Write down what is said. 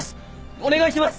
お願いします！